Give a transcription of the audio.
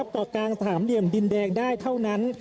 เกาะกลางสามเหลี่ยมดินแดงได้เท่านั้น